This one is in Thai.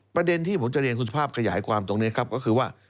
ประเด็นที่ผมจะเรียนคุณสุภาพขยายความตรงนี้ครับก็คือว่า